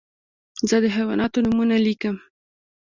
زه د حیواناتو نومونه لیکم.